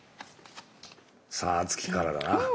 さあ敦貴からだな。